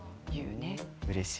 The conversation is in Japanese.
うれしい。